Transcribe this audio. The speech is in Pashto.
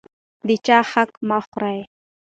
د چا حق مه خورئ.